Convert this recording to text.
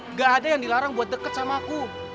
nggak ada yang dilarang buat deket sama aku